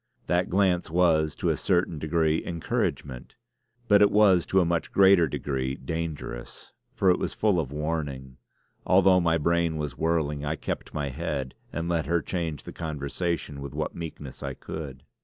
That glance was to a certain degree encouragement; but it was to a much greater degree dangerous, for it was full of warning. Although my brain was whirling, I kept my head and let her change the conversation with what meekness I could.